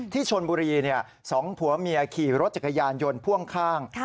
ที่ชนบุรีสองผัวเมียขี่รถจักรยานยนต์พ่วงข้าง